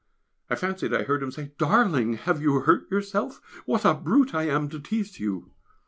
I fancied I heard him saying, "Darling! have you hurt yourself? What a brute I am to tease you!"